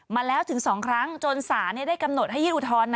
มาแล้วถึง๒ครั้งจนศาลได้กำหนดให้ยื่นอุทธรณ์